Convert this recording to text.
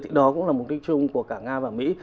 thì đó cũng là mục đích chung của cả nga và mỹ